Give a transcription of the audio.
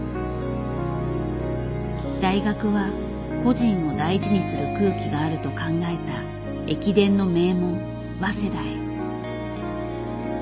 大学は個人を大事にする空気があると考えた駅伝の名門早稲田へ。